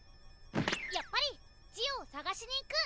やっぱりジオを捜しに行く。